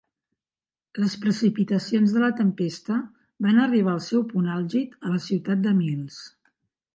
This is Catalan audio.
Les precipitacions de la tempesta van arribar al seu punt àlgid a la ciutat de Miles.